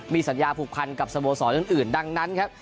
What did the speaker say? มีสัญญาผูกพันกับสโมสรอื่นดังนั้นครับ